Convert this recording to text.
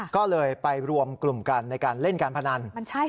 ก็เลยไปรวมกลุ่มกันในการเล่นการพนัน